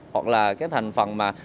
hoặc là cái thành phần mà